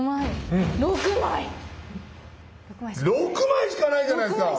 ６枚しかないじゃないですか！